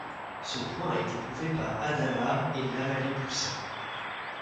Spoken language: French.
Ce point a été prouvé par Hadamard et La Vallée Poussin.